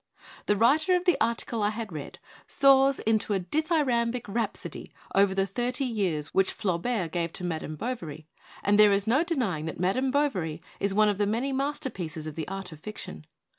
The writer of the article I had read soars into a dithyrambic rhapsody over the thirty which Flaubert gave to ' Madame Bovary'; and there is no denying that * Madame Bovary* is one of the many masterpieces of the art of fiction.